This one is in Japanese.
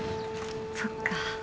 そっか。